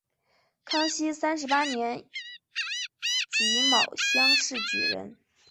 康熙三十八年己卯乡试举人。